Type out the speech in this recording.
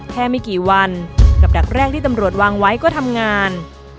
ไม่กี่วันกับดักแรกที่ตำรวจวางไว้ก็ทำงาน